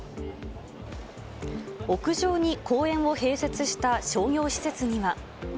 屋上に公園を併設した商業施設には。